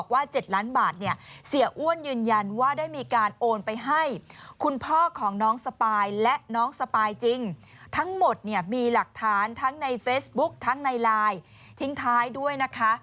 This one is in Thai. เวสบุ๊คทั้งในไลน์ทิ้งท้ายด้วยนะคะ